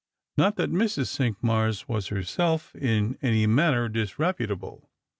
Not that Mrs. Cinqmars was herself in any manner disreputable.